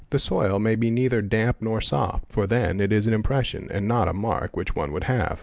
The soil may be neither damp nor soft, for then it is an impression and not a mark which one 'would have.